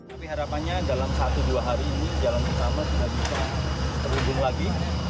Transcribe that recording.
tapi harapannya dalam satu dua hari ini jalan utama sudah bisa terhubung lagi